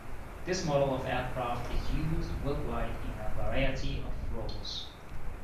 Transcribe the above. This model of aircraft is used worldwide in a variety of roles.